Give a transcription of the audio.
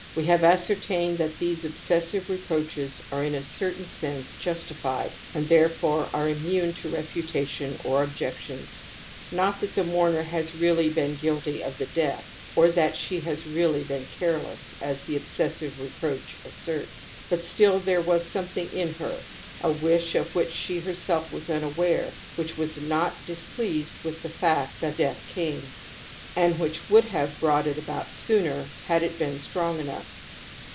We have ascertained that these obsessive reproaches are in a certain sense" justified and therefore are immune to refutation or objections. Not that the moiiriler has really been guilty of the death or that she has really been careless, as the obsessive reproach asserts ; ^'but still there was something in her, a wish of .which she herself was unaware, which was not ^displeased with the fact that death came, and which would have brought it about sooner had it been strong enough